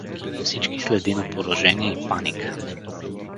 Всички следи на поражение и паника.